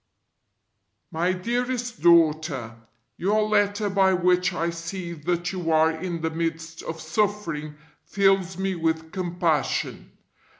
MY DEAREST DAUGHTER, Your letter by which I see that you are in the midst of suffering fills me with compassion.